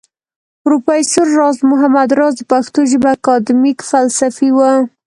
پروفېسر راز محمد راز د پښتو ژبى اکېډمک فلسفى و